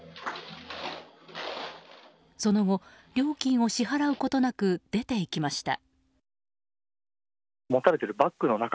その後、料金を支払うことなく出て行きました。